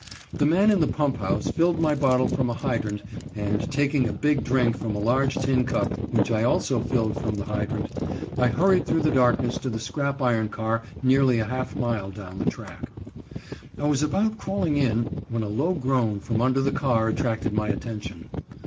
The man in the pump house filled my bottle from a hydrant, and taking a big drink from a large tin cup, which I also filled from the hydrant, I hurried through the darkness to the scrap iron car nearly a half mile down the track. I was about crawling in, when a low groan from under the car attracted my attention.